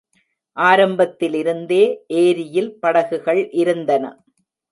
ஆரம்பத்திலிருந்தே ஏரியில் படகுகள் இருந்தன.